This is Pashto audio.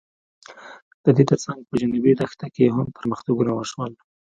د دې تر څنګ په جنوبي دښته کې هم پرمختګونه وشول.